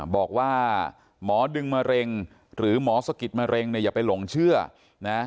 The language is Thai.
บอกว่าหมอดึงมะเร็งหรือหมอสะกิดมะเร็งเนี่ยอย่าไปหลงเชื่อนะ